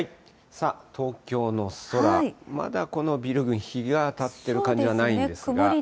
東京の空、まだこのビル群、日が当たってる感じはないんですが。